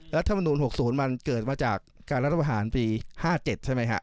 และธรรมดุล๖ศูนย์มันเกิดมาจากการรัฐบาหารปี๕๗ใช่ไหมครับ